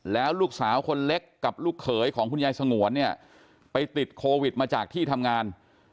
แล้วลูกสาวคนเล็กกับลูกเขยของคุณยายสงวนเนี่ยไปติดโควิดมาจากที่ทำงาน